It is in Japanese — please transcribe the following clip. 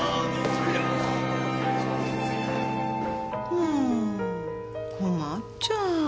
もう困っちゃう。